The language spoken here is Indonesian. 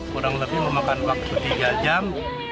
kurang lebih memakan waktu tiga jam